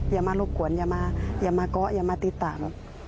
อย่ามารบกวนอย่ามาเกาะอย่ามาติดต่าง